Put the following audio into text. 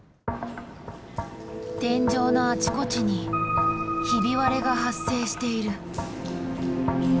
天井のあちこちにひび割れが発生している。